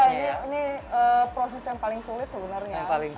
ini proses yang paling sulit sebenarnya